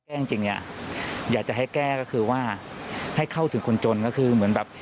จริงเนี่ยอยากจะให้แก้ก็คือว่าให้เข้าถึงคนจนก็คือเหมือนแบบ